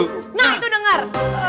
nah itu denger